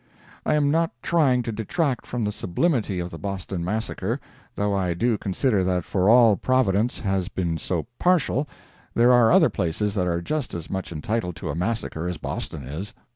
I am not trying to detract from the subliminity of the Boston Massacre—though I do consider that for all Providence has been so partial, there are other places that are just as much entitled to a massacre as Boston is.